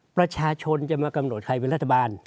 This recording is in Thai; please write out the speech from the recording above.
ประชาชนจะมากำหนดใครเป็นรัฐบาล